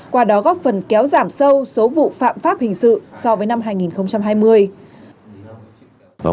qua đó góp phần kéo giảm sâu số vụ phạm pháp hình sự so với năm hai nghìn hai mươi